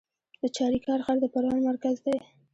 د چاریکار ښار د پروان مرکز دی